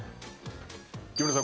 木村さん